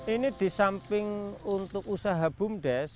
ini di samping untuk usaha bumdes